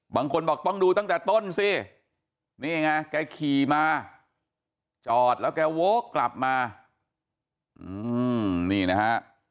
บางคนบอกต้องดูตั้งแต่ต้นสินี่ไงแกขี่มาจอดแล้วแกโว๊คกลับมานี่นะฮะ